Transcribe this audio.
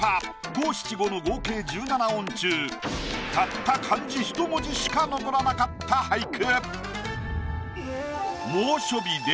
５・７・５の合計１７音中たった漢字一文字しか残らなかった俳句。